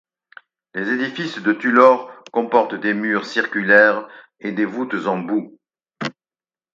Les édifices de Tulor comportent des murs circulaires et de voûtes en boue.